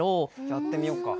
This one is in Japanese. やってみようか。